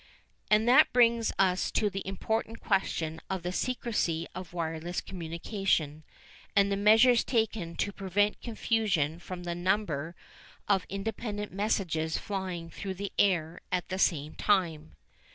And that brings us to the important question of the secrecy of wireless communication, and the measures taken to prevent confusion from the number of independent messages flying through the air at the same time.